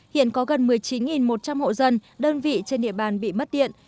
hiện có gần một mươi chín một trăm linh hộ dân đơn vị trên địa bàn bị mất điện